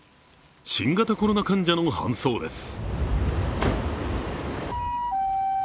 新型コロナ患者の搬送です。